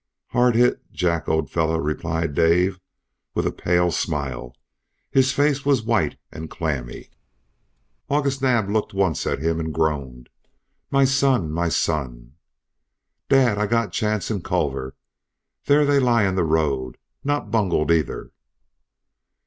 "Hard hit Jack old fellow," replied Dave, with a pale smile. His face was white and clammy. August Naab looked once at him and groaned, "My son! My son!" "Dad I got Chance and Culver there they lie in the road not bungled, either!"